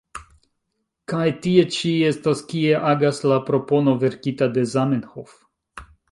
Kaj tie ĉi estas kie agas la propono verkita de Zamenhof.